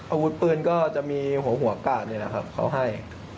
อาวุธปืนก็จะมีหัวกาดนี่แหละครับเขาให้